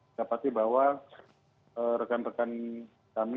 saya pasti bahwa rekan rekan kami